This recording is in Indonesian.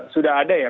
sudah ada ya